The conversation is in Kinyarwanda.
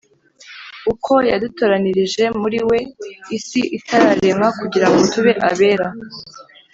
uko yadutoranirije muri We, isi itararemwa, kugira ngo tube abera,